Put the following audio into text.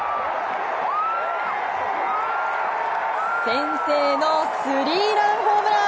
先制のスリーランホームラン。